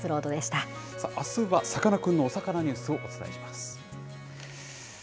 あすはさかなクンのおさかなニュースをお伝えします。